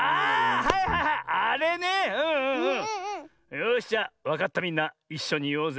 よしじゃあわかったみんないっしょにいおうぜ。